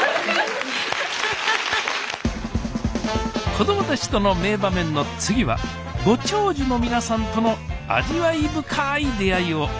子どもたちとの名場面の次はご長寿の皆さんとの味わい深い出会いをお届けします。